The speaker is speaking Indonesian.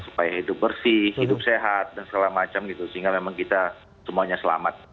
supaya hidup bersih hidup sehat dan segala macam gitu sehingga memang kita semuanya selamat